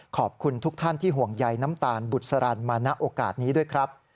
ขอบคุณทุกท่านที่ห่วงใยน้ำตาลบุษรันมาณโอกาสนี้ด้วยครับ